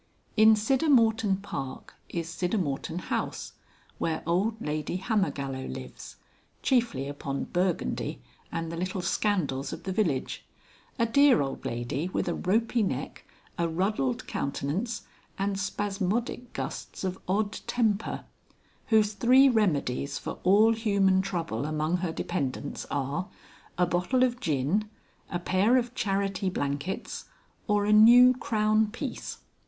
XXVIII. In Siddermorton Park is Siddermorton House, where old Lady Hammergallow lives, chiefly upon Burgundy and the little scandals of the village, a dear old lady with a ropy neck, a ruddled countenance and spasmodic gusts of odd temper, whose three remedies for all human trouble among her dependents are, a bottle of gin, a pair of charity blankets, or a new crown piece.